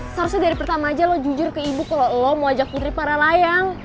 seharusnya dari pertama aja lo jujur ke ibu kalau lo mau ajak putri para layang